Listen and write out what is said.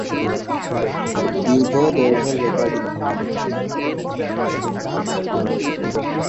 তার মামার বাড়ি নাটোরে।